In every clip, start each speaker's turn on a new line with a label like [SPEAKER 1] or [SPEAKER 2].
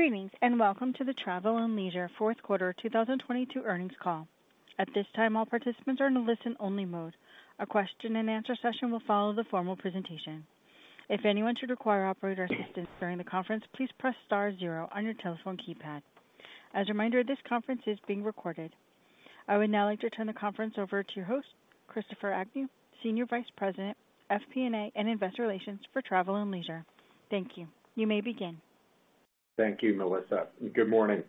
[SPEAKER 1] Greetings, and welcome to the Travel + Leisure Fourth Quarter 2022 Earnings Call. At this time, all participants are in listen only mode. A question and answer session will follow the formal presentation. If anyone should require operator assistance during the conference, please press star zero on your telephone keypad. As a reminder, this conference is being recorded. I would now like to turn the conference over to your host, Christopher Agnew, Senior Vice President, FP&A and Investor Relations for Travel + Leisure. Thank you. You may begin.
[SPEAKER 2] Thank you, Melissa. Good morning.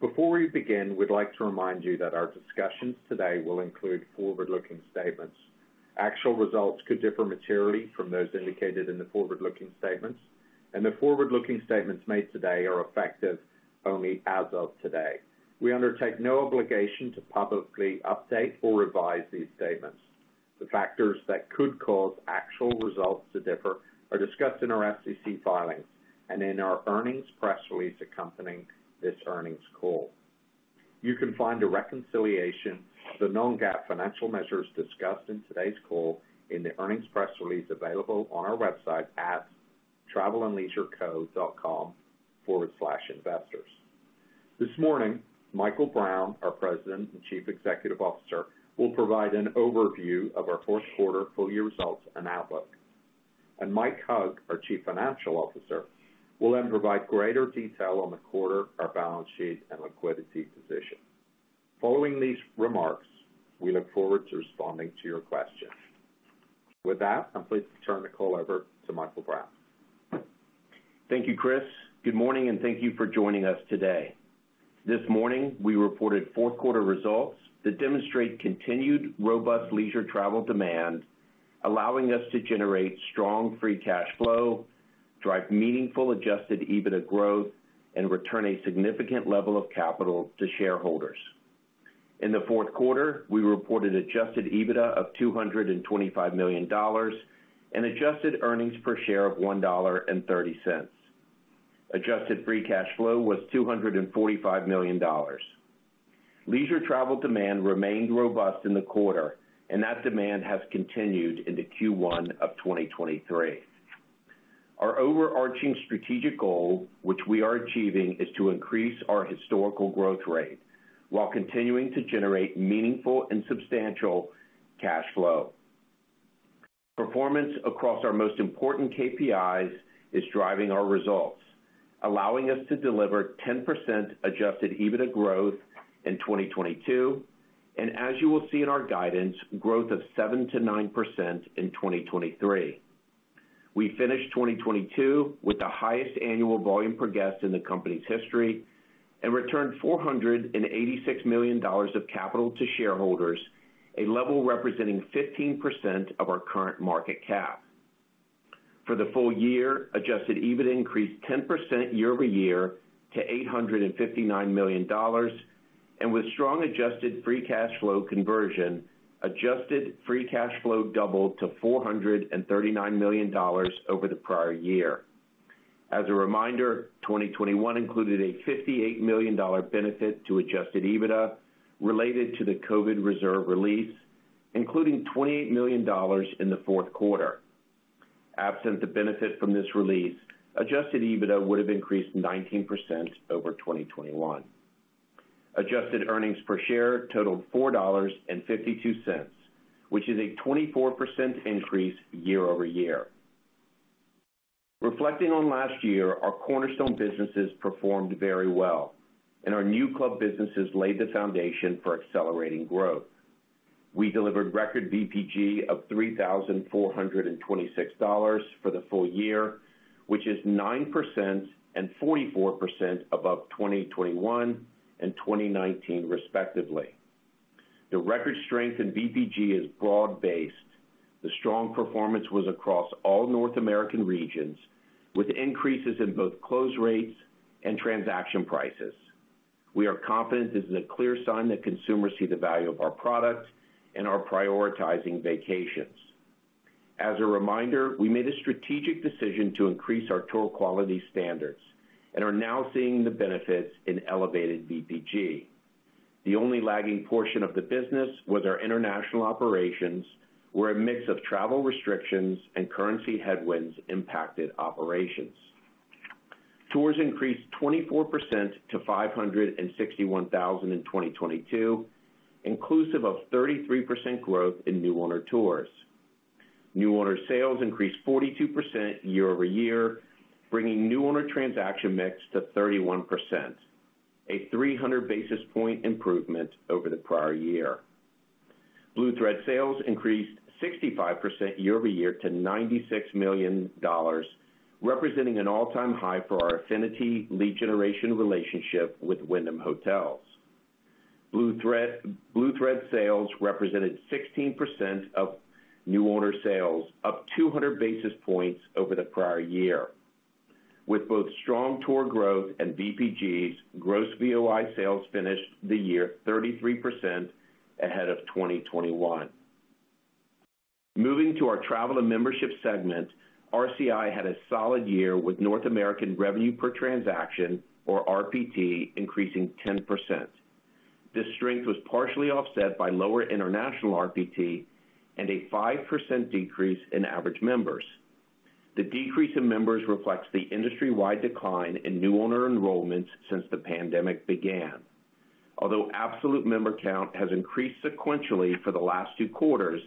[SPEAKER 2] Before we begin, we'd like to remind you that our discussions today will include forward-looking statements. Actual results could differ materially from those indicated in the forward-looking statements. The forward-looking statements made today are effective only as of today. We undertake no obligation to publicly update or revise these statements. The factors that could cause actual results to differ are discussed in our SEC filings and in our earnings press release accompanying this earnings call. You can find a reconciliation of the non-GAAP financial measures discussed in today's call in the earnings press release available on our website at travelandleisureco.com/investors. This morning, Michael Brown, our President and Chief Executive Officer, will provide an overview of our fourth quarter full year results and outlook. Mike Hug, our Chief Financial Officer, will then provide greater detail on the quarter, our balance sheet, and liquidity position. Following these remarks, we look forward to responding to your questions. With that, I'm pleased to turn the call over to Michael Brown.
[SPEAKER 3] Thank you, Chris. Good morning, and thank you for joining us today. This morning, we reported fourth quarter results that demonstrate continued robust leisure travel demand, allowing us to generate strong free cash flow, drive meaningful adjusted EBITDA growth, and return a significant level of capital to shareholders. In the fourth quarter, we reported adjusted EBITDA of $225 million and adjusted earnings per share of $1.30. Adjusted free cash flow was $245 million. Leisure travel demand remained robust in the quarter, and that demand has continued into Q1 of 2023. Our overarching strategic goal, which we are achieving, is to increase our historical growth rate while continuing to generate meaningful and substantial cash flow. Performance across our most important KPIs is driving our results, allowing us to deliver 10% adjusted EBITDA growth in 2022 and as you will see in our guidance, growth of 7% to 9% in 2023. We finished 2022 with the highest annual volume per guest in the company's history and returned $486 million of capital to shareholders, a level representing 15% of our current market cap. For the full year, adjusted EBITDA increased 10% year-over-year to $859 million and with strong adjusted free cash flow conversion, adjusted free cash flow doubled to $439 million over the prior year. As a reminder, 2021 included a $58 million benefit to adjusted EBITDA related to the COVID reserve release, including $28 million in the fourth quarter. Absent the benefit from this release, adjusted EBITDA would have increased 19% over 2021. Adjusted earnings per share totaled $4.52, which is a 24% increase year-over-year. Reflecting on last year, our cornerstone businesses performed very well and our new club businesses laid the foundation for accelerating growth. We delivered record VPG of $3,426 for the full year, which is 9% and 44% above 2021 and 2019 respectively. The record strength in VPG is broad-based. The strong performance was across all North American regions, with increases in both close rates and transaction prices. We are confident this is a clear sign that consumers see the value of our products and are prioritizing vacations. As a reminder, we made a strategic decision to increase our tour quality standards and are now seeing the benefits in elevated VPG. The only lagging portion of the business was our international operations, where a mix of travel restrictions and currency headwinds impacted operations. Tours increased 24% to 561,000 in 2022, inclusive of 33% growth in new owner tours. New owner sales increased 42% year-over-year, bringing new owner transaction mix to 31%, a 300 basis point improvement over the prior year. Blue Thread sales increased 65% year-over-year to $96 million, representing an all-time high for our affinity lead generation relationship with Wyndham Hotels. Blue Thread sales represented 16% of new owner sales, up 200 basis points over the prior year. With both strong tour growth and VPGs, gross VOI sales finished the year 33% ahead of 2021. Moving to our travel and membership segment, RCI had a solid year with North American revenue per transaction or RPT increasing 10%. This strength was partially offset by lower international RPT and a 5% decrease in average members. The decrease in members reflects the industry-wide decline in new owner enrollments since the pandemic began. Although absolute member count has increased sequentially for the last two quarters,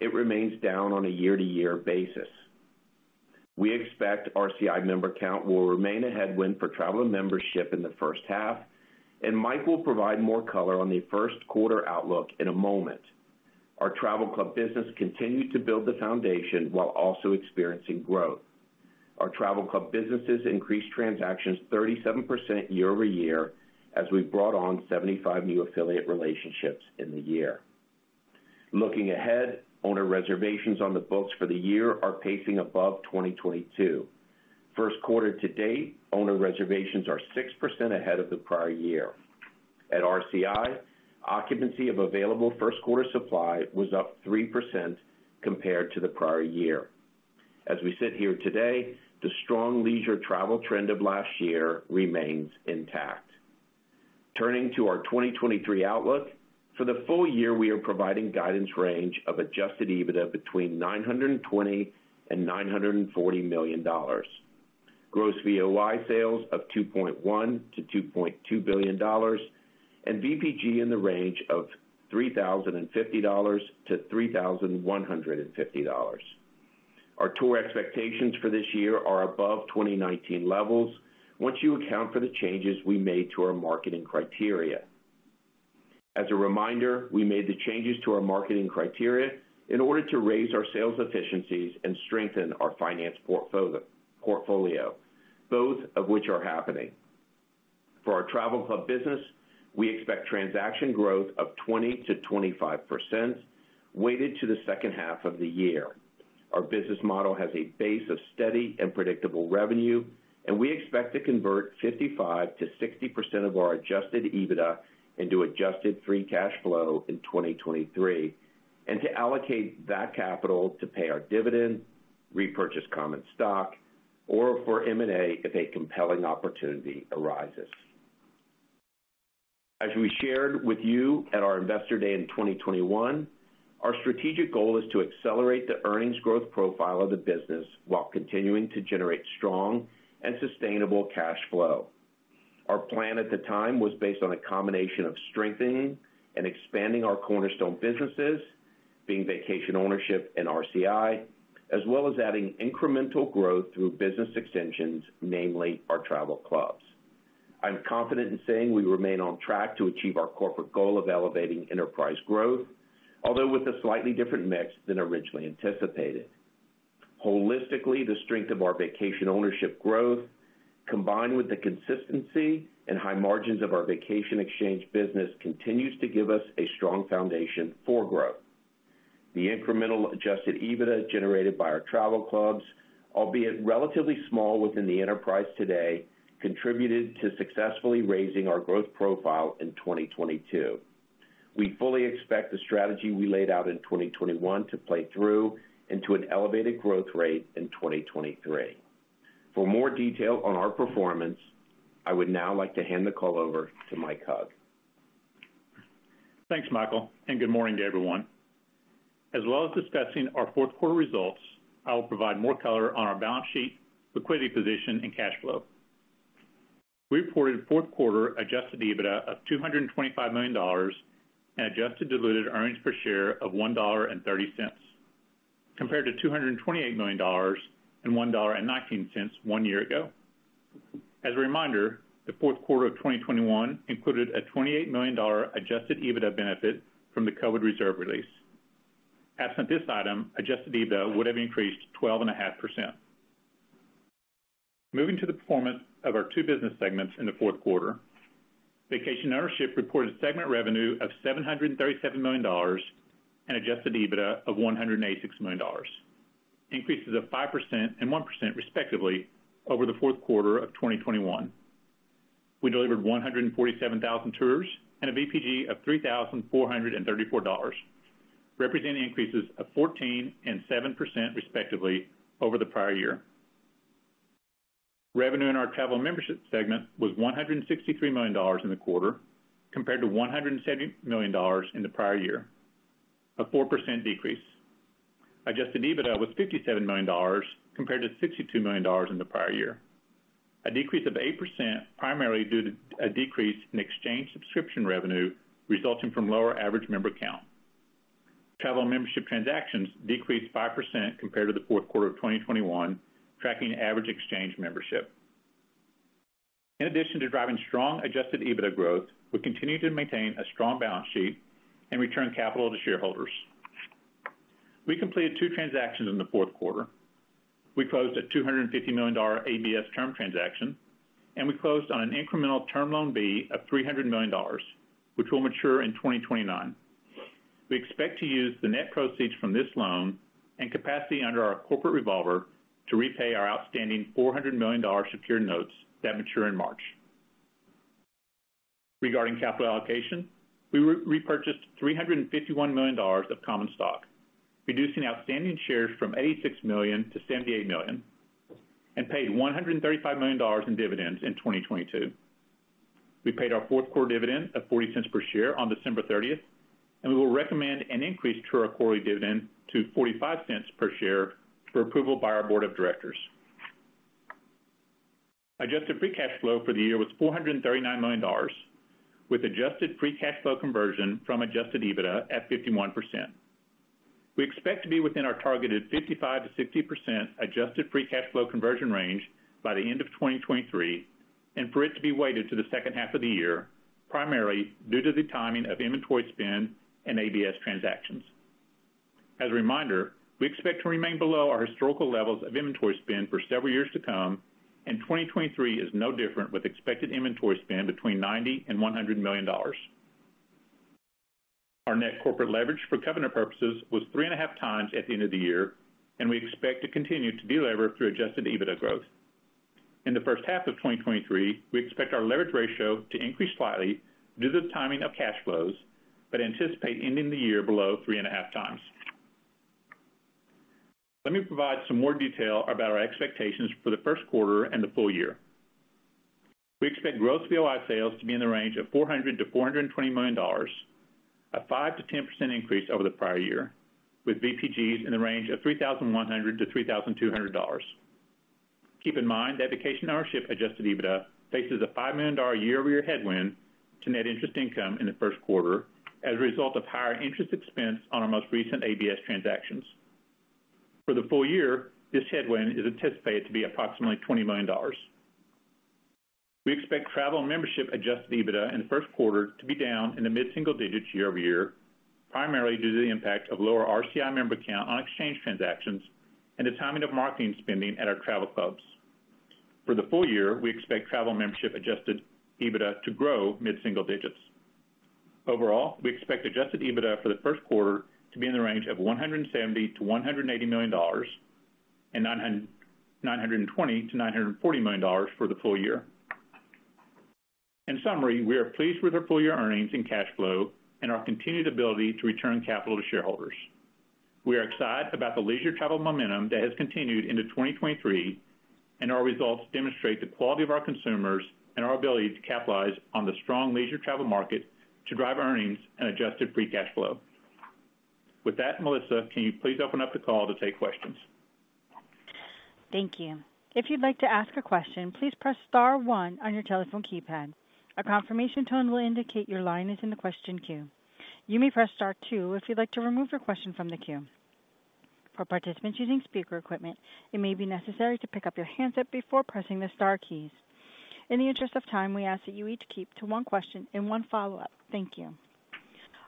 [SPEAKER 3] it remains down on a year-to-year basis. We expect RCI member count will remain a headwind for travel membership in the first half. Mike will provide more color on the first quarter outlook in a moment. Our travel club business continued to build the foundation while also experiencing growth. Our travel club businesses increased transactions 37% year-over-year as we brought on 75 new affiliate relationships in the year. Looking ahead, owner reservations on the books for the year are pacing above 2022. First quarter to date, owner reservations are 6% ahead of the prior year. At RCI, occupancy of available first quarter supply was up 3% compared to the prior year. As we sit here today, the strong leisure travel trend of last year remains intact. Turning to our 2023 outlook, for the full year, we are providing guidance range of adjusted EBITDA between $920 million and $940 million. Gross VOI sales of $2.1 billion-$2.2 billion and VPG in the range of $3,050-$3,150. Our tour expectations for this year are above 2019 levels once you account for the changes we made to our marketing criteria. As a reminder, we made the changes to our marketing criteria in order to raise our sales efficiencies and strengthen our finance portfolio, both of which are happening. For our travel club business, we expect transaction growth of 20% to 25% weighted to the second half of the year. Our business model has a base of steady and predictable revenue, and we expect to convert 55% to 60% of our adjusted EBITDA into adjusted free cash flow in 2023 and to allocate that capital to pay our dividend, repurchase common stock, or for M&A if a compelling opportunity arises. As we shared with you at our investor day in 2021, our strategic goal is to accelerate the earnings growth profile of the business while continuing to generate strong and sustainable cash flow. Our plan at the time was based on a combination of strengthening and expanding our cornerstone businesses, being vacation ownership and RCI, as well as adding incremental growth through business extensions, namely our travel clubs. I'm confident in saying we remain on track to achieve our corporate goal of elevating enterprise growth, although with a slightly different mix than originally anticipated. Holistically, the strength of our vacation ownership growth, combined with the consistency and high margins of our vacation exchange business, continues to give us a strong foundation for growth. The incremental adjusted EBITDA generated by our travel clubs, albeit relatively small within the enterprise today, contributed to successfully raising our growth profile in 2022. We fully expect the strategy we laid out in 2021 to play through into an elevated growth rate in 2023. For more detail on our performance, I would now like to hand the call over to Mike Hug.
[SPEAKER 4] Thanks, Michael, and good morning to everyone. As well as discussing our fourth quarter results, I will provide more color on our balance sheet, liquidity position and cash flow. We reported fourth quarter adjusted EBITDA of $225 million and adjusted diluted earnings per share of $1.30 compared to $228 million and $1.19 one year ago. As a reminder, the fourth quarter of 2021 included a $28 million adjusted EBITDA benefit from the COVID reserve release. Absent this item, adjusted EBITDA would have increased 12.5%. Moving to the performance of our two business segments in the fourth quarter. Vacation ownership reported segment revenue of $737 million and adjusted EBITDA of $186 million, increases of 5% and 1% respectively over the fourth quarter of 2021. We delivered 147,000 tours and a VPG of $3,434, representing increases of 14% and 7% respectively over the prior year. Revenue in our travel membership segment was $163 million in the quarter compared to $170 million in the prior year, a 4% decrease. Adjusted EBITDA was $57 million compared to $62 million in the prior year, a decrease of 8% primarily due to a decrease in exchange subscription revenue resulting from lower average member count. Travel membership transactions decreased 5% compared to the fourth quarter of 2021, tracking average exchange membership. In addition to driving strong adjusted EBITDA growth, we continue to maintain a strong balance sheet and return capital to shareholders. We completed two transactions in the fourth quarter. We closed a $250 million ABS term transaction. We closed on an incremental Term Loan B of $300 million, which will mature in 2029. We expect to use the net proceeds from this loan and capacity under our corporate revolver to repay our outstanding $400 million secured notes that mature in March. Regarding capital allocation, we repurchased $351 million of common stock reducing outstanding shares from 86 million to 78 million, and paid $135 million in dividends in 2022. We paid our fourth quarter dividend of $0.40 per share on December 30th, and we will recommend an increased [trough] quarterly dividend to $0.45 per share for approval by our board of directors. Adjusted free cash flow for the year was $439 million, with adjusted free cash flow conversion from adjusted EBITDA at 51%. We expect to be within our targeted 55% to 60% adjusted free cash flow conversion range by the end of 2023, and for it to be weighted to the second half of the year, primarily due to the timing of inventory spend and ABS transactions. As a reminder, we expect to remain below our historical levels of inventory spend for several years to come, and 2023 is no different, with expected inventory spend between $90 million and $100 million. Our net corporate leverage for covenant purposes was three and a half times at the end of the year, and we expect to continue to delever through adjusted EBITDA growth. In the first half of 2023, we expect our leverage ratio to increase slightly due to the timing of cash flows, but anticipate ending the year below three and a half times. Let me provide some more detail about our expectations for the first quarter and the full year. We expect gross VOI sales to be in the range of $400 million-$420 million, a 5% to 10% increase over the prior year, with VPGs in the range of $3,100-$3,200. Keep in mind that vacation ownership adjusted EBITDA faces a $5 million year-over-year headwind to net interest income in the first quarter as a result of higher interest expense on our most recent ABS transactions. For the full year, this headwind is anticipated to be approximately $20 million. We expect travel and membership adjusted EBITDA in the first quarter to be down in the mid-single digits year-over-year, primarily due to the impact of lower RCI member count on exchange transactions and the timing of marketing spending at our travel clubs. For the full year, we expect travel membership adjusted EBITDA to grow mid-single digits. Overall, we expect adjusted EBITDA for the first quarter to be in the range of $170 million-$180 million and $920 million-$940 million for the full year. In summary, we are pleased with our full year earnings and cash flow and our continued ability to return capital to shareholders. We are excited about the leisure travel momentum that has continued into 2023. Our results demonstrate the quality of our consumers and our ability to capitalize on the strong leisure travel market to drive earnings and adjusted free cash flow. With that, Melissa, can you please open up the call to take questions?
[SPEAKER 1] Thank you. If you'd like to ask a question, please press star one on your telephone keypad. A confirmation tone will indicate your line is in the question queue. You may press star two if you'd like to remove your question from the queue. For participants using speaker equipment, it may be necessary to pick up your handset before pressing the star keys. In the interest of time, we ask that you each keep to one question and one follow-up. Thank you.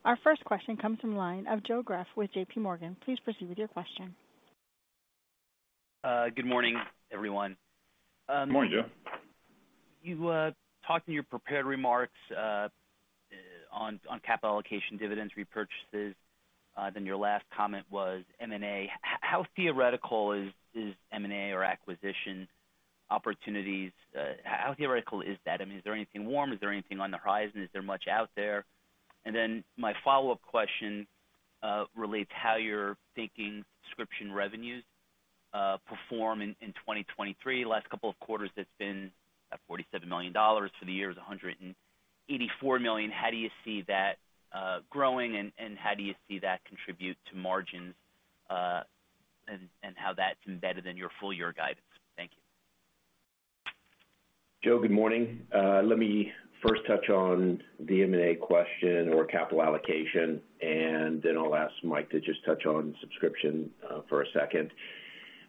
[SPEAKER 1] Our first question comes from line of Joe Greff with JPMorgan. Please proceed with your question.
[SPEAKER 5] Good morning, everyone.
[SPEAKER 4] Good morning, Joe.
[SPEAKER 5] You talked in your prepared remarks on capital allocation dividends, repurchases, then your last comment was M&A. How theoretical is M&A or acquisition opportunities? How theoretical is that? I mean, is there anything warm? Is there anything on the horizon? Is there much out there? My follow-up question relates to how you're thinking subscription revenues perform in 2023. Last couple of quarters, it's been at $47 million. For the year, it was $184 million. How do you see that growing, and how do you see that contribute to margins, and how that's embedded in your full year guidance? Thank you.
[SPEAKER 3] Joe, good morning. Let me first touch on the M&A question or capital allocation, and then I'll ask Mike to just touch on subscription for a second.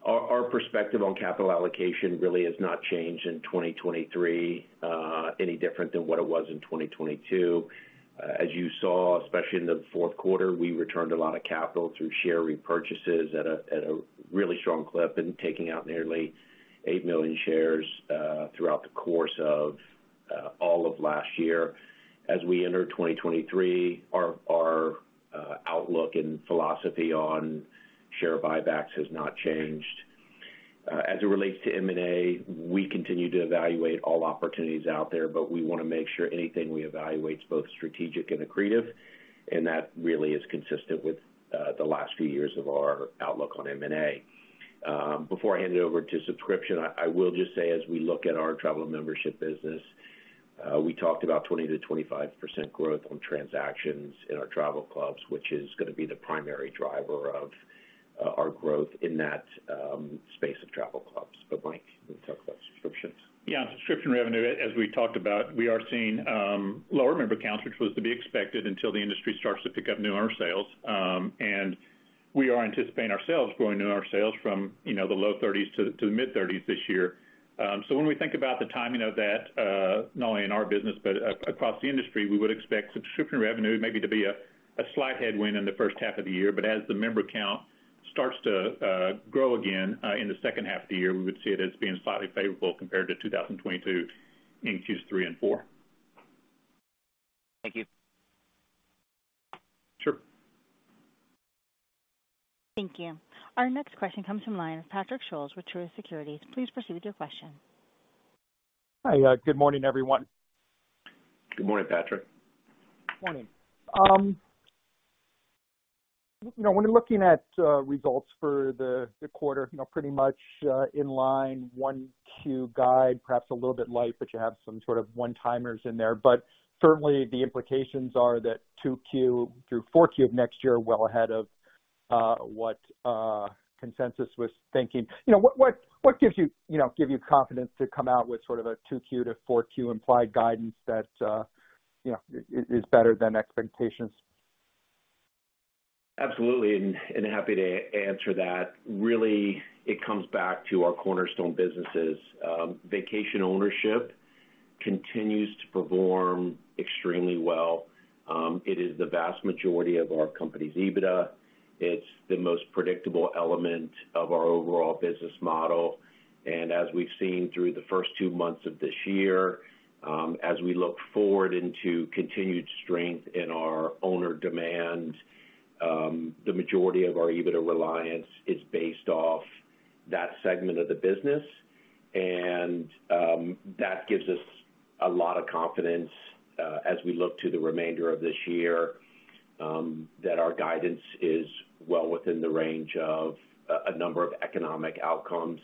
[SPEAKER 3] Our perspective on capital allocation really has not changed in 2023 any different than what it was in 2022. As you saw, especially in the fourth quarter, we returned a lot of capital through share repurchases at a really strong clip and taking out nearly $8 million shares throughout the course of all of last year. As we enter 2023, our outlook and philosophy on share buybacks has not changed. As it relates to M&A, we continue to evaluate all opportunities out there. We wanna make sure anything we evaluate is both strategic and accretive. That really is consistent with the last few years of our outlook on M&A. Before I hand it over to subscription, I will just say as we look at our travel and membership business, we talked about 20% to 25% growth on transactions in our travel clubs, which is gonna be the primary driver of our growth in that space of travel clubs. Mike, you can talk about subscriptions.
[SPEAKER 4] Yeah. Subscription revenue, as we talked about, we are seeing lower member counts, which was to be expected until the industry starts to pick up new owner sales. We are anticipating our sales growing in our sales from, you know, the low 30s to the mid-30s this year. When we think about the timing of that, not only in our business but across the industry, we would expect subscription revenue maybe to be a slight headwind in the first half of the year. As the member count starts to grow again, in the second half of the year, we would see it as being slightly favorable compared to 2022 in Q3 and Q4.
[SPEAKER 5] Thank you.
[SPEAKER 4] Sure.
[SPEAKER 1] Thank you. Our next question comes from line of Patrick Scholes with Truist Securities. Please proceed with your question.
[SPEAKER 6] Hi, good morning, everyone.
[SPEAKER 3] Good morning, Patrick.
[SPEAKER 6] Morning. You know, when looking at results for the quarter, you know, pretty much in line 1Q guide, perhaps a little bit light, but you have some sort of one-timers in there. Firmly, the implications are that 2Q through 4Q of next year are well ahead of what consensus was thinking. You know, what gives you know, give you confidence to come out with sort of a 2Q to 4Q implied guidance that, you know, is better than expectations?
[SPEAKER 3] Absolutely, and happy to answer that. Really, it comes back to our cornerstone businesses. Vacation ownership continues to perform extremely well. It is the vast majority of our company's EBITDA. It's the most predictable element of our overall business model. As we've seen through the first two months of this year, as we look forward into continued strength in our owner demand, the majority of our EBITDA reliance is based off that segment of the business. That gives us a lot of confidence as we look to the remainder of this year, that our guidance is well within the range of a number of economic outcomes.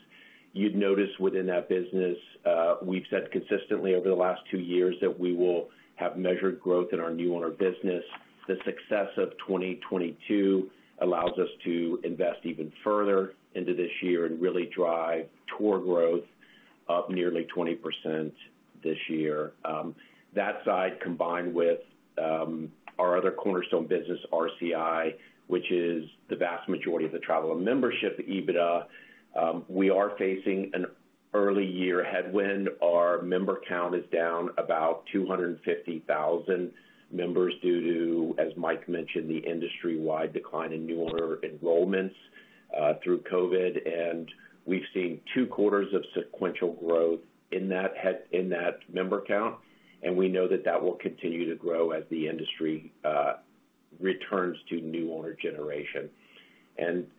[SPEAKER 3] You'd notice within that business, we've said consistently over the last two years that we will have measured growth in our new owner business. The success of 2022 allows us to invest even further into this year and really drive tour growth up nearly 20% this year. That side, combined with our other cornerstone business, RCI, which is the vast majority of the travel and membership EBITDA, we are facing an early year headwind. Our member count is down about 250,000 members due to, as Mike mentioned, the industry-wide decline in new owner enrollments through COVID, and we've seen two quarters of sequential growth in that member count, and we know that that will continue to grow as the industry returns to new owner generation.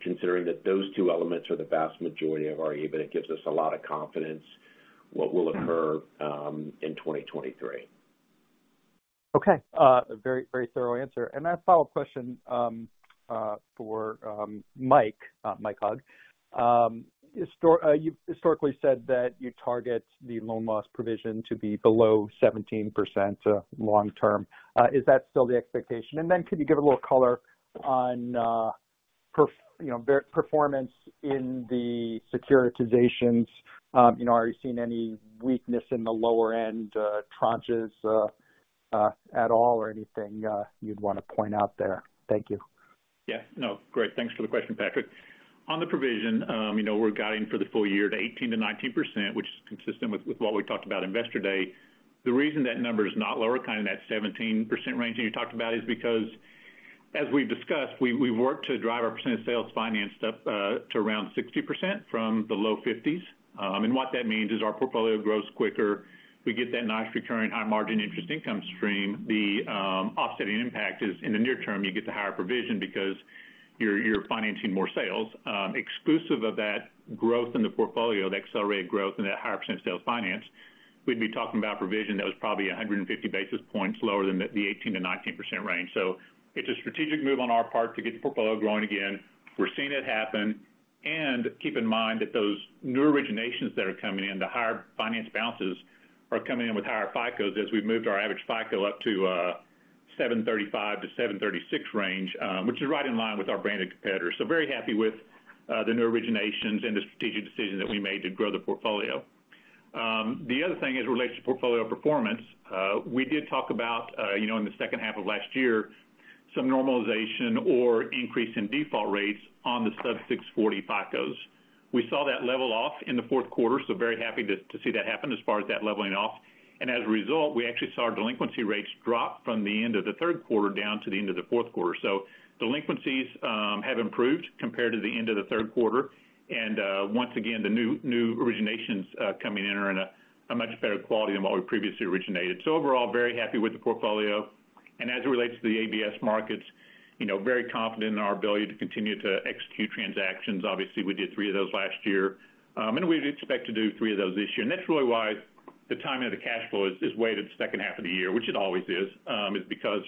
[SPEAKER 3] Considering that those two elements are the vast majority of our EBIT, it gives us a lot of confidence what will occur in 2023.
[SPEAKER 6] Okay. A very, very thorough answer. A follow-up question for Mike Hug. You've historically said that you target the loan loss provision to be below 17% long term. Is that still the expectation? Could you give a little color on you know, performance in the securitizations? You know, are you seeing any weakness in the lower end tranches at all or anything you'd wanna point out there? Thank you.
[SPEAKER 4] Yeah, no. Great. Thanks for the question, Patrick. On the provision, you know, we're guiding for the full year to 18% to 19%, which is consistent with what we talked about Investor Day. The reason that number is not lower, kind of that 17% range that you talked about, is because as we've discussed, we've worked to drive our percent of sales financed up to around 60% from the low 50s. What that means is our portfolio grows quicker. We get that nice recurring high-margin interest income stream. The offsetting impact is in the near term, you get the higher provision because you're financing more sales. Exclusive of that growth in the portfolio, the accelerated growth and that higher percent of sales finance, we'd be talking about provision that was probably 150 basis points lower than the 18% to 19% range. It's a strategic move on our part to get the portfolio growing again. We're seeing it happen. Keep in mind that those new originations that are coming in, the higher finance balances are coming in with higher FICOs as we've moved our average FICO up to 735 to 736 range, which is right in line with our branded competitors. Very happy with the new originations and the strategic decision that we made to grow the portfolio. The other thing as it relates to portfolio performance, we did talk about, you know, in the second half of last year, some normalization or increase in default rates on the sub 640 FICOs. We saw that level off in the fourth quarter, very happy to see that happen as far as that leveling off. As a result, we actually saw our delinquency rates drop from the end of the third quarter down to the end of the fourth quarter. Delinquencies have improved compared to the end of the third quarter. Once again, the new originations coming in are in a much better quality than what we previously originated. Overall, very happy with the portfolio. As it relates to the ABS markets, you know, very confident in our ability to continue to execute transactions. Obviously, we did three of those last year, and we'd expect to do three of those this year. That's really why the timing of the cash flow is weighted second half of the year, which it always is because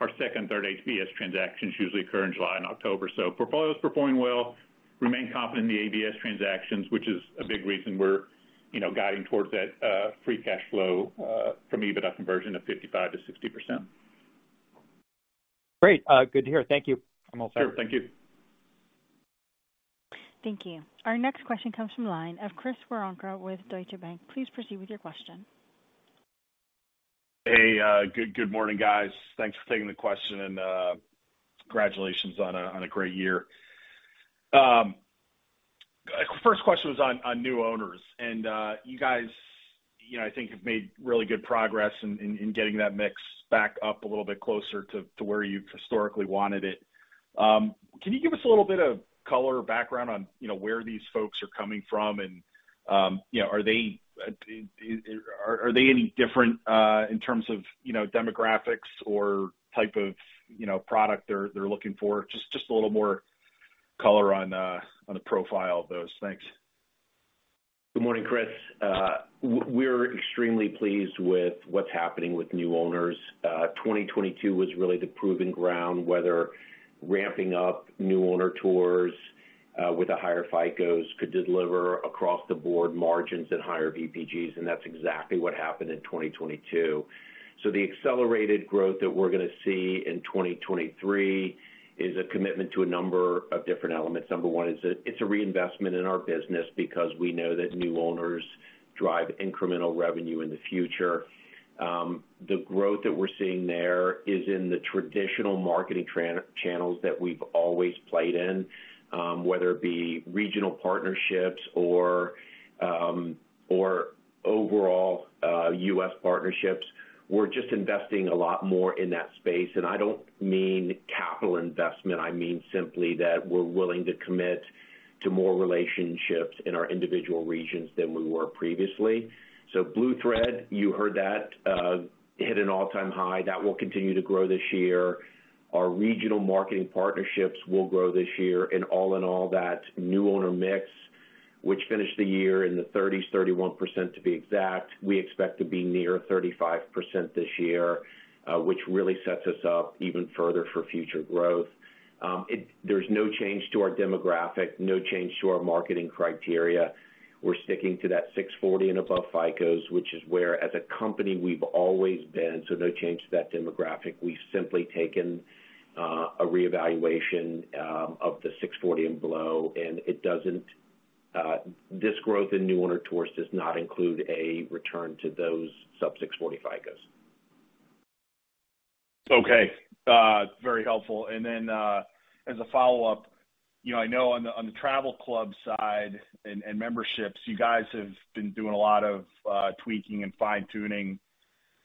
[SPEAKER 4] our second and third ABS transactions usually occur in July and October. Portfolio's performing well. Remain confident in the ABS transactions, which is a big reason we're, you know, guiding towards that free cash flow from EBITDA conversion of 55% to 60%.
[SPEAKER 6] Great. good to hear. Thank you. I'm all set.
[SPEAKER 4] Sure. Thank you.
[SPEAKER 1] Thank you. Our next question comes from the line of Chris Woronka with Deutsche Bank. Please proceed with your question.
[SPEAKER 7] Hey, good morning, guys. Thanks for taking the question, congratulations on a great year. First question was on new owners. You guys, you know, I think have made really good progress in getting that mix back up a little bit closer to where you've historically wanted it. Can you give us a little bit of color or background on, you know, where these folks are coming from? Are they, you know, are they any different in terms of, you know, demographics or type of, you know, product they're looking for? Just a little more color on the profile of those. Thanks.
[SPEAKER 3] Good morning, Chris. We're extremely pleased with what's happening with new owners. 2022 was really the proving ground, whether ramping up new owner tours, with the higher FICOs could deliver across the board margins and higher VPGs, and that's exactly what happened in 2022. The accelerated growth that we're gonna see in 2023 is a commitment to a number of different elements. Number one is it's a reinvestment in our business because we know that new owners drive incremental revenue in the future. The growth that we're seeing there is in the traditional marketing channels that we've always played in, whether it be regional partnerships or overall U.S. partnerships. We're just investing a lot more in that space. I don't mean capital investment, I mean simply that we're willing to commit to more relationships in our individual regions than we were previously. Blue Thread, you heard that hit an all-time high. That will continue to grow this year. Our regional marketing partnerships will grow this year. All in all, that new owner mix, which finished the year in the thirties, 31% to be exact, we expect to be near 35% this year, which really sets us up even further for future growth. There's no change to our demographic, no change to our marketing criteria. We're sticking to that 640 and above FICOs, which is where, as a company, we've always been, so no change to that demographic. We've simply taken, a reevaluation, of the 640 and below. This growth in new owner tours does not include a return to those sub 640 FICOs.
[SPEAKER 7] Okay. Very helpful. As a follow-up, you know, I know on the travel club side and memberships, you guys have been doing a lot of tweaking and fine-tuning.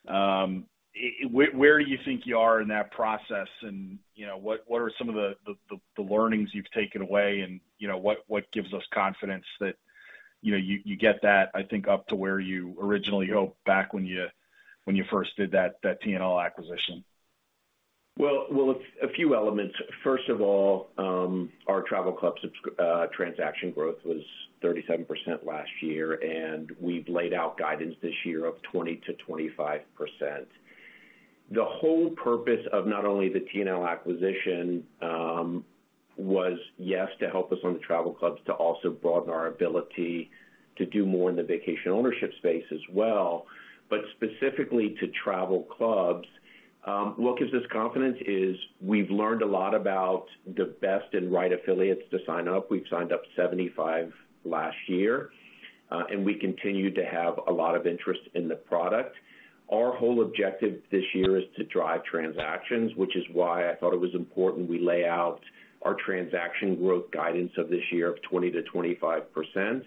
[SPEAKER 7] Where do you think you are in that process, and you know, what are some of the learnings you've taken away, and you know, what gives us confidence that, you know, you get that, I think up to where you originally hoped back when you first did that T&L acquisition?
[SPEAKER 3] Well, a few elements. First of all, our travel club transaction growth was 37% last year, and we've laid out guidance this year of 20% to 25%. The whole purpose of not only the T&L acquisition, was, yes, to help us on the travel clubs to also broaden our ability to do more in the vacation ownership space as well, but specifically to travel clubs. What gives us confidence is we've learned a lot about the best and right affiliates to sign up. We've signed up 75 last year, and we continue to have a lot of interest in the product. Our whole objective this year is to drive transactions, which is why I thought it was important we lay out our transaction growth guidance of this year of 20% to 25%.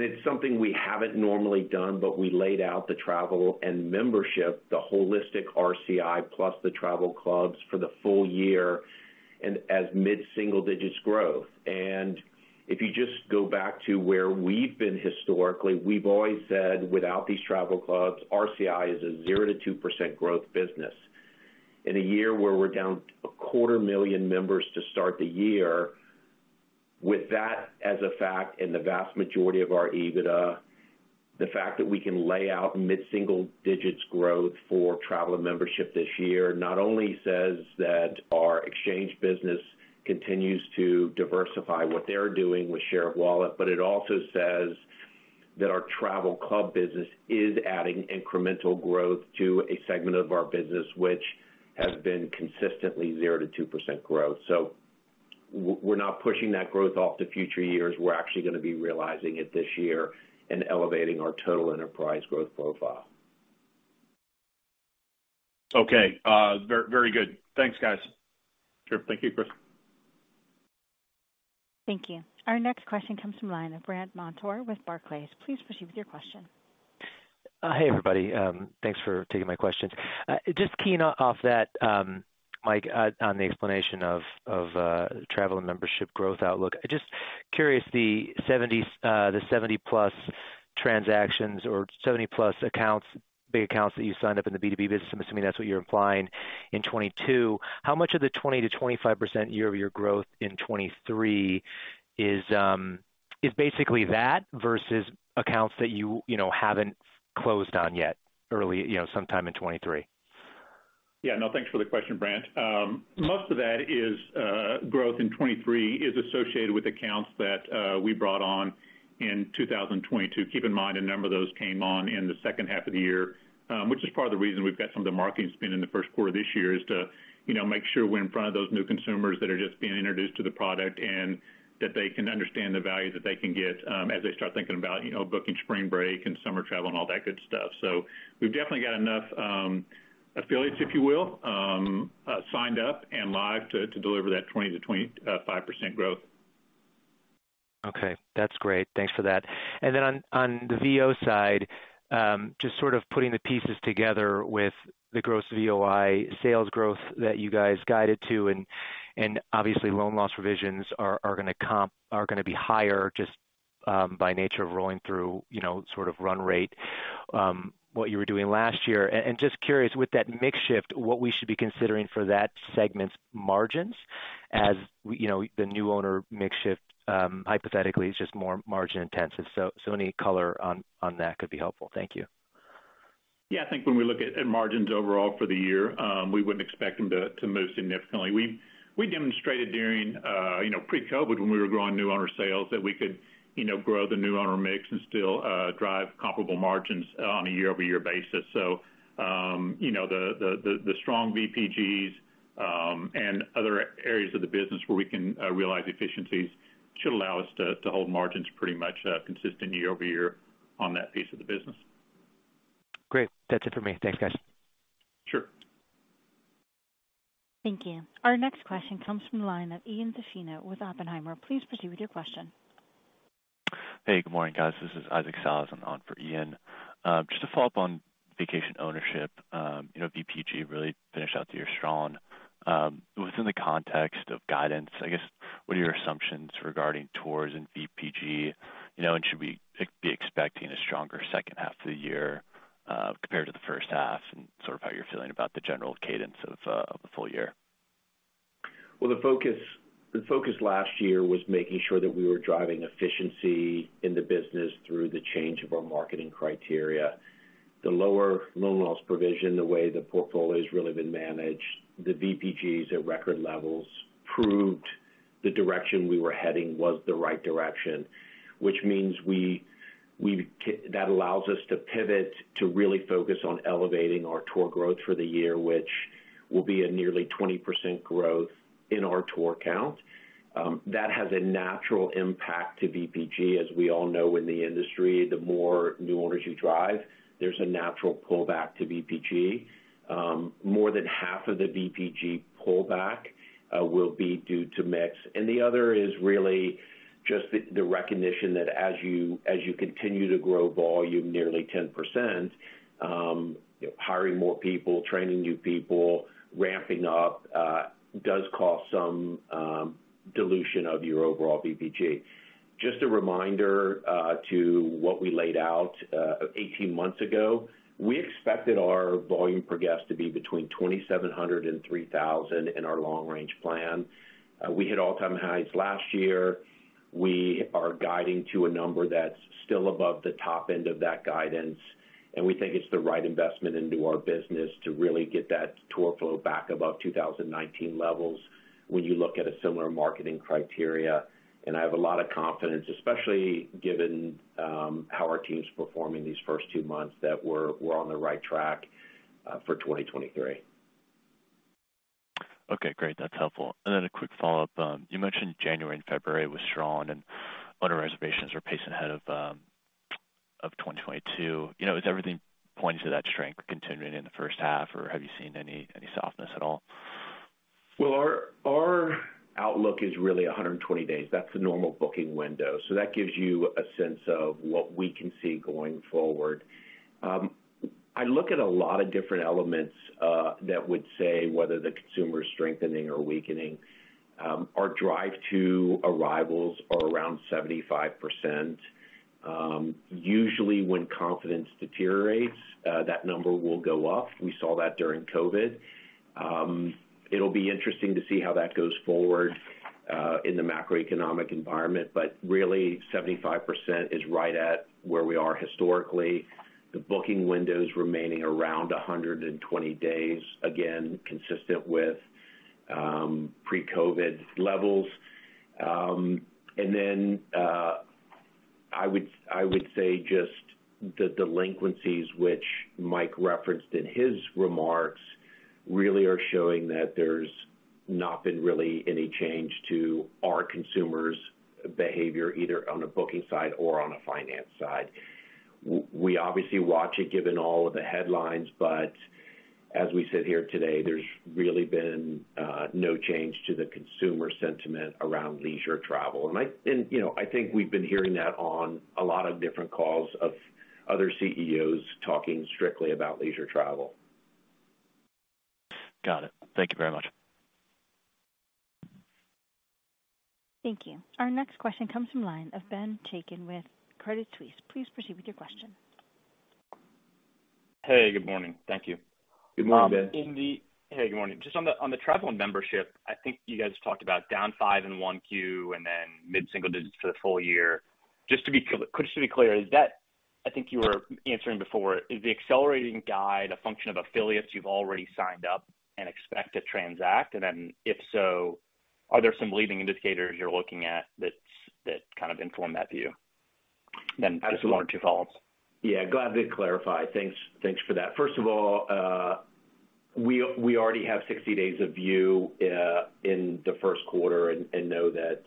[SPEAKER 3] It's something we haven't normally done, but we laid out the travel and membership, the holistic RCI plus the travel clubs for the full year and as mid-single digits growth. If you just go back to where we've been historically, we've always said without these travel clubs, RCI is a 0% to 2% growth business. In a year where we're down 250,000 members to start the year, with that as a fact and the vast majority of our EBITDA, the fact that we can lay out mid-single digits growth for travel and membership this year not only says that our exchange business continues to diversify what they're doing with share of wallet, but it also says that our travel club business is adding incremental growth to a segment of our business which has been consistently 0% to 2% growth. We're not pushing that growth off to future years. We're actually gonna be realizing it this year and elevating our total enterprise growth profile.
[SPEAKER 7] Okay. very good. Thanks, guys.
[SPEAKER 4] Sure. Thank you, Chris.
[SPEAKER 1] Thank you. Our next question comes from the line of Brandt Montour with Barclays. Please proceed with your question.
[SPEAKER 8] Hey, everybody, thanks for taking my questions. Just keying off that, Mike, on the explanation of travel and membership growth outlook. Just curious, the 70+transactions or 70+ accounts, big accounts that you signed up in the B2B business, I'm assuming that's what you're implying in 2022, how much of the 20% to 25% year-over-year growth in 2023 is basically that versus accounts that you know, haven't closed on yet early, you know, sometime in 2023?
[SPEAKER 4] Yeah. No, thanks for the question, Brandt. Most of that is growth in 23 is associated with accounts that we brought on in 2022. Keep in mind, a number of those came on in the second half of the year, which is part of the reason we've got some of the marketing spend in the first quarter this year is to, you know, make sure we're in front of those new consumers that are just being introduced to the product and that they can understand the value that they can get as they start thinking about, you know, booking spring break and summer travel and all that good stuff. We've definitely got enough affiliates, if you will, signed up and live to deliver that 20% to 25% growth.
[SPEAKER 8] Okay. That's great. Thanks for that. On the VOI side, just sort of putting the pieces together with the gross VOI sales growth that you guys guided to, obviously loan loss provisions are gonna be higher just by nature of rolling through, you know, sort of run rate, what you were doing last year. Just curious, with that mix shift, what we should be considering for that segment's margins, you know, the new owner mix shift, hypothetically, is just more margin intensive. Any color on that could be helpful. Thank you.
[SPEAKER 3] Yeah. I think when we look at margins overall for the year, we wouldn't expect them to move significantly. We demonstrated during, you know, pre-COVID, when we were growing new owner sales, that we could, you know, grow the new owner mix and still drive comparable margins on a year-over-year basis. You know, the, the strong VPGs and other areas of the business where we can realize efficiencies should allow us to hold margins pretty much consistent year-over-year on that piece of the business.
[SPEAKER 9] Great. That's it for me. Thanks, guys.
[SPEAKER 3] Sure.
[SPEAKER 1] Thank you. Our next question comes from the line of Ian Zaffino with Oppenheimer. Please proceed with your question.
[SPEAKER 10] Hey, good morning, guys. This is Isaac Sellhausen on for Ian. Just to follow up on vacation ownership, you know, VPG really finished out the year strong. Within the context of guidance, I guess, what are your assumptions regarding tours and VPG, you know, and should we be expecting a stronger second half of the year compared to the first half, and sort of how you're feeling about the general cadence of the full year?
[SPEAKER 3] The focus last year was making sure that we were driving efficiency in the business through the change of our marketing criteria. The lower loan loss provision, the way the portfolio's really been managed, the VPGs at record levels proved the direction we were heading was the right direction, which means that allows us to pivot to really focus on elevating our tour growth for the year, which will be a nearly 20% growth in our tour count. That has a natural impact to VPG. As we all know in the industry, the more new owners you drive, there's a natural pullback to VPG. More than half of the VPG pullback will be due to mix, and the other is really just the recognition that as you continue to grow volume nearly 10%, hiring more people, training new people, ramping up, does cause some dilution of your overall VPG. Just a reminder to what we laid out 18 months ago. We expected our volume per guest to be between $2,700 and $3,000 in our long range plan. We hit all-time highs last year. We are guiding to a number that's still above the top end of that guidance, and we think it's the right investment into our business to really get that tour flow back above 2019 levels when you look at a similar marketing criteria. I have a lot of confidence, especially given, how our team's performing these first two months, that we're on the right track, for 2023.
[SPEAKER 10] Okay, great. That's helpful. Then a quick follow-up. You mentioned January and February was strong and owner reservations were pacing ahead of 2022. You know, is everything pointing to that strength continuing in the first half, or have you seen any softness at all?
[SPEAKER 3] Well, our outlook is really 120 days. That's the normal booking window. That gives you a sense of what we can see going forward. I look at a lot of different elements that would say whether the consumer is strengthening or weakening. Our drive to arrivals are around 75%. Usually when confidence deteriorates, that number will go up. We saw that during COVID. It'll be interesting to see how that goes forward in the macroeconomic environment. Really, 75% is right at where we are historically. The booking window's remaining around 120 days, again, consistent with pre-COVID levels. I would say just the delinquencies which Mike referenced in his remarks really are showing that there's not been really any change to our consumers' behavior, either on the booking side or on the finance side. We obviously watch it given all of the headlines, but as we sit here today, there's really been no change to the consumer sentiment around leisure travel. You know, I think we've been hearing that on a lot of different calls of other CEOs talking strictly about leisure travel.
[SPEAKER 10] Got it. Thank you very much.
[SPEAKER 1] Thank you. Our next question comes from line of Ben Chaiken with Credit Suisse. Please proceed with your question.
[SPEAKER 9] Hey, good morning. Thank you.
[SPEAKER 3] Good morning, Ben.
[SPEAKER 9] Hey, good morning. Just on the on the travel membership, I think you guys talked about down 5% in 1Q and then mid-single digits for the full year. Just to be clear, just to be clear, is that I think you were answering before, is the accelerating guide a function of affiliates you've already signed up and expect to transact? If so, are there some leading indicators you're looking at that kind of inform that view? Just one or two follow-ups.
[SPEAKER 3] Yeah, glad to clarify. Thanks for that. First of all, we already have 60 days of view in the first quarter and know that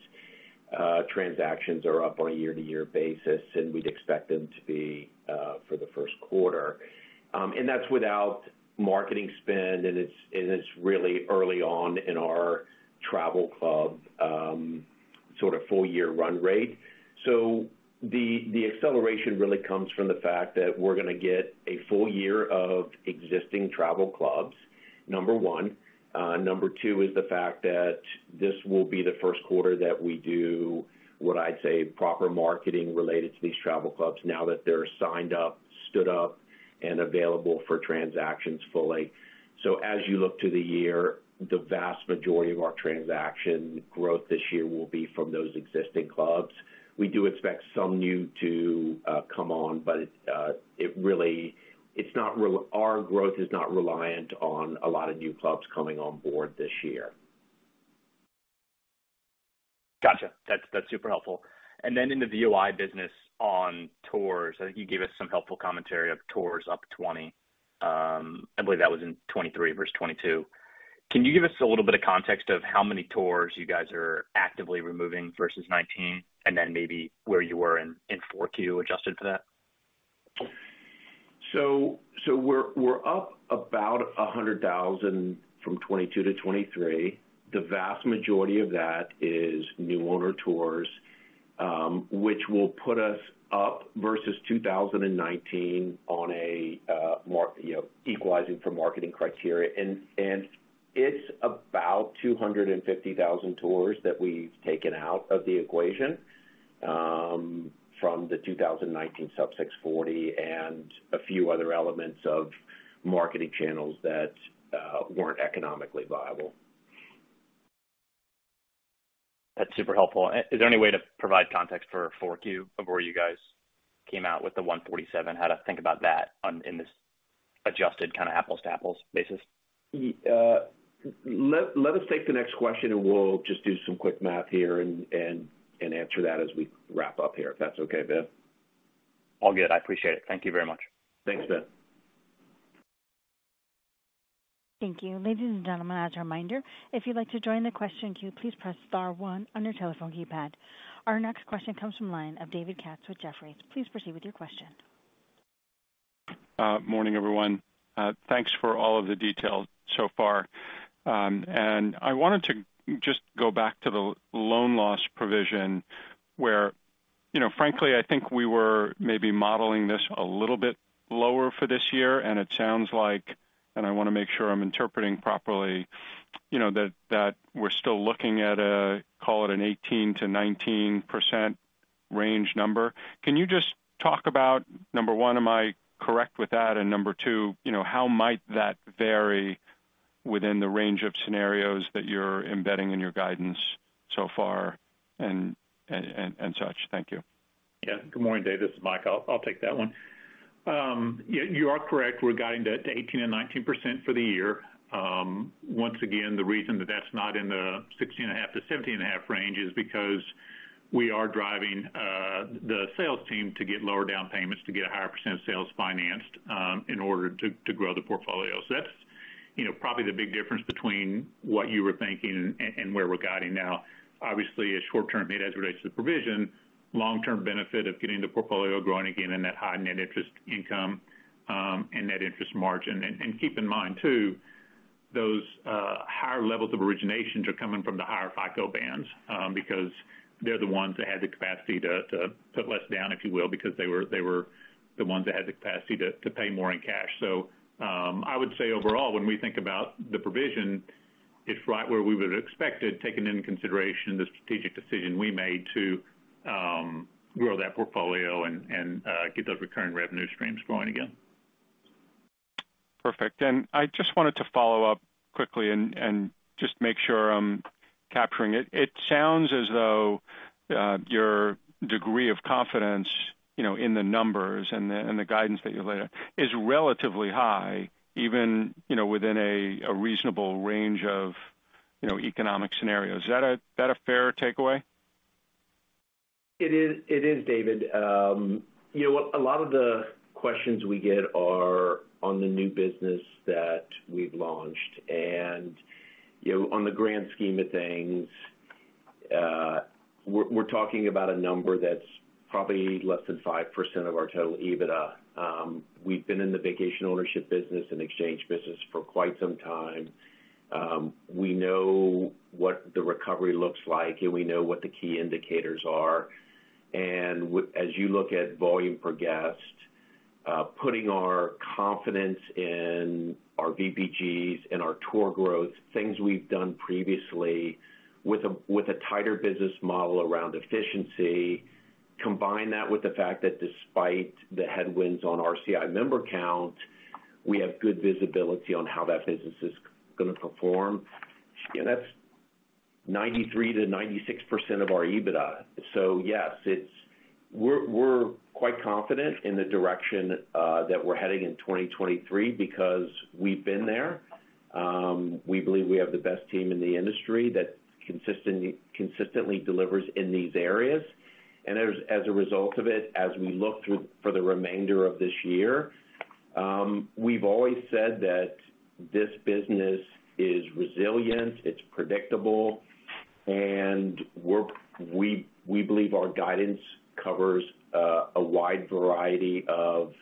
[SPEAKER 3] transactions are up on a year-over-year basis, and we'd expect them to be for the first quarter. That's without marketing spend, and it's really early on in our travel club sort of full year run rate. The acceleration really comes from the fact that we're gonna get a full year of existing travel clubs, number one. Number two is the fact that this will be the first quarter that we do what I'd say proper marketing related to these travel clubs now that they're signed up, stood up, and available for transactions fully. As you look to the year, the vast majority of our transaction growth this year will be from those existing clubs. We do expect some new to come on, but our growth is not reliant on a lot of new clubs coming on board this year.
[SPEAKER 9] Gotcha. That's super helpful. Then in the VOI business on tours, I think you gave us some helpful commentary of tours up 20. I believe that was in 2023 versus 2022. Can you give us a little bit of context of how many tours you guys are actively removing versus 2019, and then maybe where you were in 4Q adjusted for that?
[SPEAKER 3] We're up about 100,000 from 2022 to 2023. The vast majority of that is new owner tours, which will put us up versus 2019 on a, you know, equalizing for marketing criteria. It's about 250,000 tours that we've taken out of the equation from the 2019 sub 640 and a few other elements of marketing channels that weren't economically viable.
[SPEAKER 9] That's super helpful. Is there any way to provide context for Q4 of where you guys came out with the $147? How to think about that in this adjusted kind of apples to apples basis?
[SPEAKER 3] Let us take the next question, and we'll just do some quick math here and answer that as we wrap up here, if that's okay, Ben.
[SPEAKER 9] All good. I appreciate it. Thank you very much.
[SPEAKER 3] Thanks, Ben.
[SPEAKER 1] Thank you. Ladies and gentlemen, as a reminder, if you'd like to join the question queue, please press star one on your telephone keypad. Our next question comes from line of David Katz with Jefferies. Please proceed with your question.
[SPEAKER 11] Morning, everyone. Thanks for all of the details so far. I wanted to just go back to the loan loss provision where, you know, frankly, I think we were maybe modeling this a little bit lower for this year, and it sounds like, I wanna make sure I'm interpreting properly, you know, that we're still looking at a call it an 18% to 19% range number. Can you just talk about, number one, am I correct with that? Number two, you know, how might that vary within the range of scenarios that you're embedding in your guidance so far and such? Thank you.
[SPEAKER 3] Yeah. Good morning, Dave. This is Michael. I'll take that one. You are correct. We're guiding to 18% and 19% for the year. Once again, the reason that that's not in the 16.5% to 17.5% range is because we are driving the sales team to get lower down payments to get a higher percent of sales financed in order to grow the portfolio. That's, you know, probably the big difference between what you were thinking and where we're guiding now. Obviously, a short-term hit as it relates to the provision, long-term benefit of getting the portfolio growing again and that high net interest income and net interest margin. Keep in mind too, those higher levels of originations are coming from the higher FICO bands, because they're the ones that had the capacity to put less down, if you will, because they were the ones that had the capacity to pay more in cash. I would say overall, when we think about the provision, it's right where we would have expected, taking into consideration the strategic decision we made to grow that portfolio and get those recurring revenue streams growing again.
[SPEAKER 11] Perfect. I just wanted to follow up quickly and just make sure I'm capturing it. It sounds as though your degree of confidence, you know, in the numbers and the guidance that you laid out is relatively high, even, you know, within a reasonable range of, you know, economic scenarios. Is that a fair takeaway?
[SPEAKER 3] It is, it is, David. You know what, a lot of the questions we get are on the new business that we've launched. You know, on the grand scheme of things, we're talking about a number that's probably less than 5% of our total EBITDA. We've been in the vacation ownership business and exchange business for quite some time. We know what the recovery looks like, and we know what the key indicators are. As you look at volume per guest, putting our confidence in our VPGs and our tour growth, things we've done previously with a tighter business model around efficiency, combine that with the fact that despite the headwinds on RCI member count, we have good visibility on how that business is gonna perform. That's 93% to 96% of our EBITDA. Yes, we're quite confident in the direction that we're heading in 2023 because we've been there. We believe we have the best team in the industry that consistently delivers in these areas. As a result of it, as we look through for the remainder of this year, we've always said that this business is resilient, it's predictable, and we believe our guidance covers a wide variety of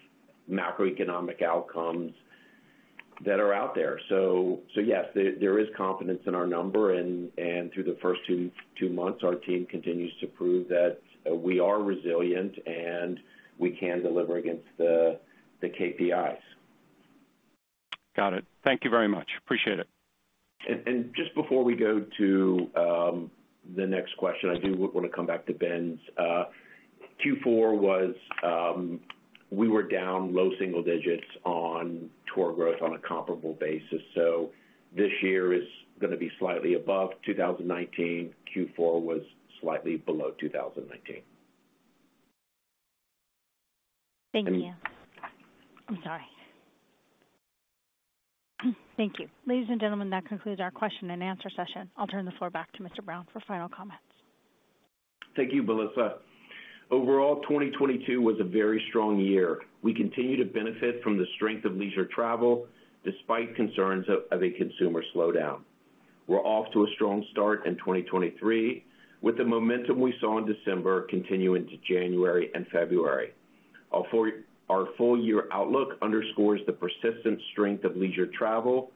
[SPEAKER 3] macroeconomic outcomes that are out there. Yes, there is confidence in our number and through the first two months, our team continues to prove that we are resilient, and we can deliver against the KPIs.
[SPEAKER 11] Got it. Thank you very much. Appreciate it.
[SPEAKER 3] Just before we go to the next question, I do wanna come back to Ben's. Q4 was we were down low single digits on tour growth on a comparable basis. This year is gonna be slightly above 2019. Q4 was slightly below 2019.
[SPEAKER 1] Thank you. I'm sorry. Thank you. Ladies and gentlemen, that concludes our question and answer session. I'll turn the floor back to Mr. Brown for final comments.
[SPEAKER 3] Thank you, Melissa. Overall, 2022 was a very strong year. We continue to benefit from the strength of leisure travel despite concerns of a consumer slowdown. We're off to a strong start in 2023, with the momentum we saw in December continuing to January and February. Our full year outlook underscores the persistent strength of leisure travel,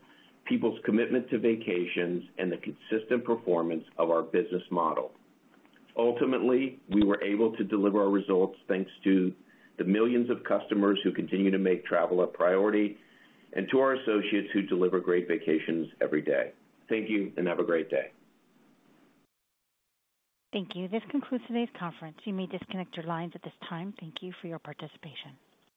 [SPEAKER 3] people's commitment to vacations, and the consistent performance of our business model. Ultimately, we were able to deliver our results thanks to the millions of customers who continue to make travel a priority and to our associates who deliver great vacations every day. Thank you, and have a great day.
[SPEAKER 1] Thank you. This concludes today's conference. You may disconnect your lines at this time. Thank you for your participation.